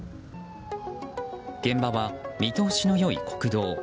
現場は見通しの良い国道。